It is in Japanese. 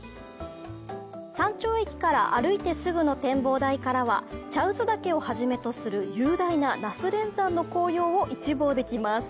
山頂駅から歩いてすぐの展望台からは茶臼岳を初めとする雄大な那須連山の紅葉を一望できます。